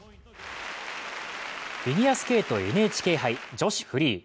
フィギュアスケートＮＨＫ杯女子フリー。